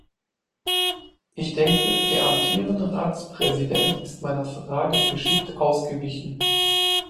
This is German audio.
Ich denke, der amtierende Ratspräsident ist meiner Frage geschickt ausgewichen.